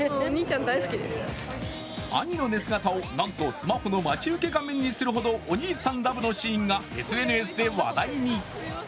兄の寝姿を、なんとスマホの待ち受け画面にするほどお兄さんラブのシーンがＳＮＳで話題に。